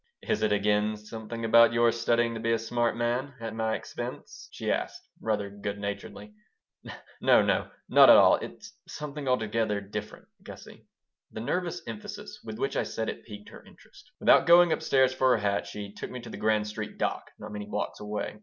"Is it again something about your studying to be a smart man at my expense?" she asked, rather good naturedly "No, no. Not at all. It's something altogether different, Gussie." The nervous emphasis with which I said it piqued her interest. Without going up stairs for her hat she took me to the Grand Street dock, not many blocks away.